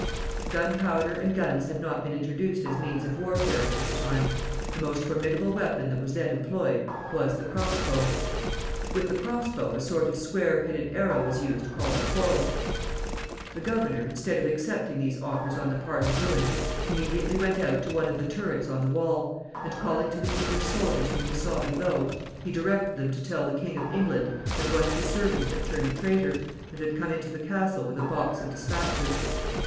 Gunpowder and guns had not been introduced as means of warfare at this time; the most formidable weapon that was then employed was the cross bow. With the cross bow a sort of square headed arrow was used called a quarrel. The governor, instead of accepting these offers on the part of Lewin, immediately went out to one of the turrets on the wall, and, calling to the English soldiers whom he saw below, he directed them to tell the King of England that one of his servants had turned traitor, and had come into the castle with a box of dispatches.